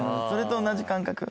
それと同じ感覚。